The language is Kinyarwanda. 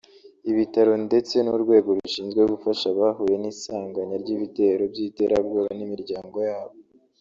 ibitaro ndetse n’urwego rushinzwe gufasha abahuye n’isanganya ry’ibitero by’iterabwoba n’imiryango yabo